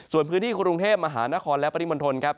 ส่วนพื้นที่กรุงเทพฯมหานครและปฏิบนธรณ์